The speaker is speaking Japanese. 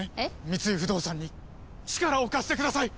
三井不動産に力を貸してください！